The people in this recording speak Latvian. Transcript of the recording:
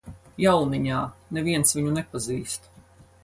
Jauniņā, neviens viņu nepazīst.